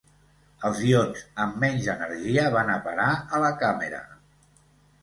Els ions amb menys energia van a parar a la càmera.